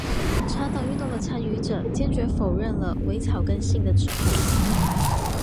茶党运动的参与者坚决否认了伪草根性的指控。